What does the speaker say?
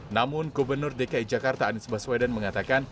namun gubernur dki jakarta anies baswedan mengatakan